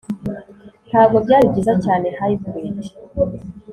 Ntabwo byari byiza cyane Hybrid